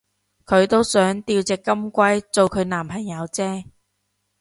佢都係想吊隻金龜做佢男朋友啫